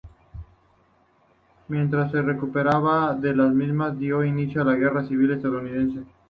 Mientras se recuperaba de las mismas, dio inicio la Guerra Civil Estadounidense.